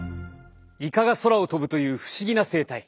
イカが空を飛ぶという不思議な生態。